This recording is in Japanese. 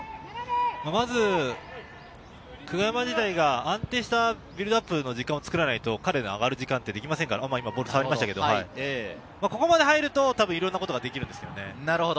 まず久我山自体が安定したビルドアップの時間を作らないと彼が上がる時間が作れませんから、ここまで入ると、いろんなことができるんですよね。